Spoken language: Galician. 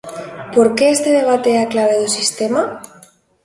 ¿Por que este debate é a clave do sistema?